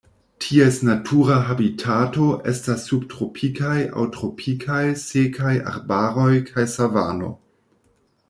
Ties natura habitato estas subtropikaj aŭ tropikaj sekaj arbaroj kaj savano.